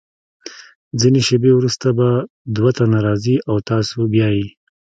څو شیبې وروسته به دوه تنه راځي او تاسو بیایي.